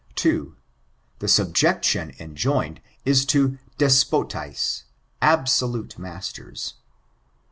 2. The subjection enjoined, is to deapotaU^ absolute masters.